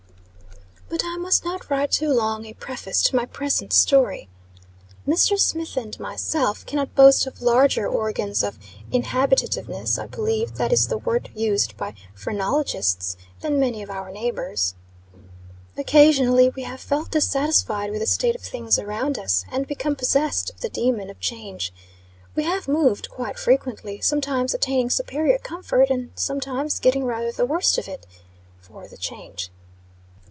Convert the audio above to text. But, I must not write too long a preface to my present story. Mr. Smith and myself cannot boast of larger organs of Inhabitativeness I believe, that is the word used by phrenologists than many of our neighbors. Occasionally we have felt dissatisfied with the state of things around us, and become possessed of the demon of change. We have moved quite frequently, sometimes attaining superior comfort, and some times, getting rather the worst of, it for "the change."